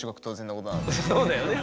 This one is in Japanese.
そうだよね。